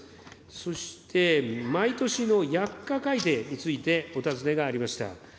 そして、毎年の薬価改定についてお尋ねがありました。